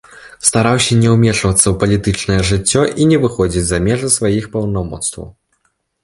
Стараўся не ўмешвацца ў палітычную жыццё і не выходзіць за межы сваіх паўнамоцтваў.